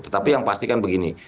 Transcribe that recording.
tetapi yang pasti kan begini